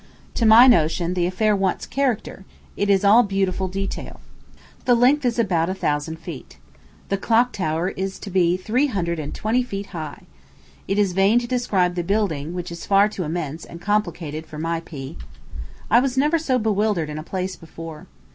To my notion, the affair wants character; it is all beautiful detail. The length is about oho thousand feet. The clock tower is to be three hundred and twenty feet high. It is vain to describe the building, which is far too immense and complicated for my pea. I never was so bewildered in a place before.